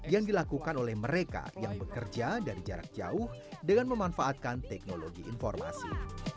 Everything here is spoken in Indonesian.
yang dilakukan oleh mereka yang bekerja dari jarak jauh dengan memanfaatkan teknologi informasi